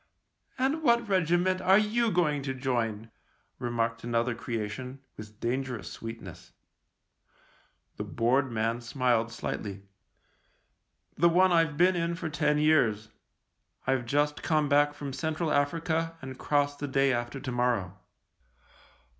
" And what regiment are you going to join ?" remarked another creation, with dan gerous sweetness. The bored man smiled slightly. " The one I've been in for ten years. I've just come back from Central Africa and cross the day after to morrow."